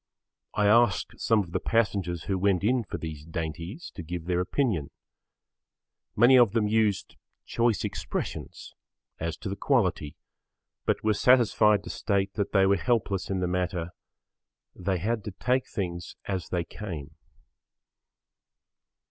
I asked some of the passengers who went in for these dainties to give their opinion. Many of them used choice expressions as to the quality but were satisfied to state that they were helpless in the matter; they had to take things as they came.